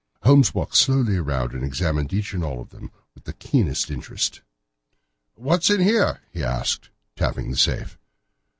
Holmes walked slowly round and examined each and all of them with the keenest interest. "What's in here?" he asked, tapping the safe.